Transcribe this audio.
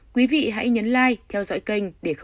quý vị hãy nhấn like theo dõi chương trình tiếp theo